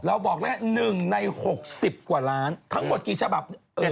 บอกแล้ว๑ใน๖๐กว่าล้านทั้งหมดกี่ฉบับ